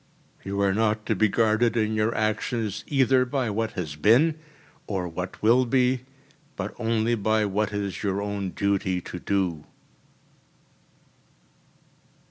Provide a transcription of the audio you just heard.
You are not to be guarded in your actions either by what has been or what will be, but only by what it is your own duty to do.